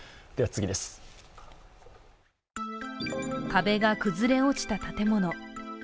壁が崩れ落ちた建物。